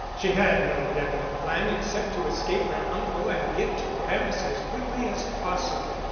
She had no definite plan except to escape her uncle and get to Paris as quickly as possible.